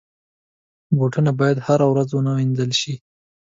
بوټونه باید هره ورځ ونه وینځل شي.